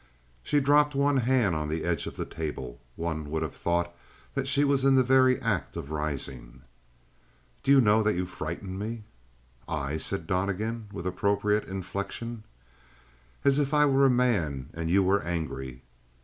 She dropped one hand on the edge of the table. One would have thought that she was in the very act of rising. "Do you know that you frighten me?" "I?" said Donnegan, with appropriate inflection. "As if I were a man and you were angry."